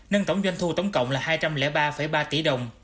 nâng tổng doanh thu tổng cộng là hai trăm linh ba ba tỷ đồng